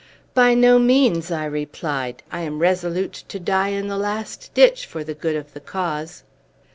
"By no means," I replied. "I am resolute to die in the last ditch, for the good of the cause."